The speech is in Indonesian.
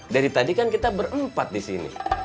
dari tadi kan kita berempat di sini